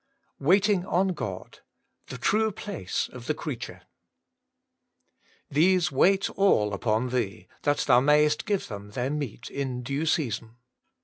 WAITING ON GOD: TTbe Zxwz place of tbe Cceature* 'These wait all upon Thee ; That Thou mayest give them their meat in due season.